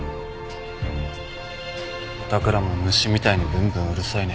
おたくらも虫みたいにブンブンうるさいね。